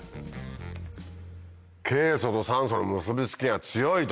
ケイ素と酸素の結び付きが強いと。